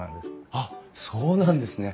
あっそうなんですね。